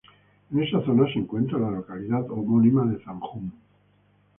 En esa zona se encuentra la localidad homónima de Zanjón.